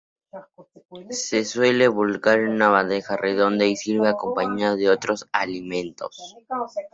Se suele volcar en una bandeja redonda y se sirve acompañado de otros alimentos.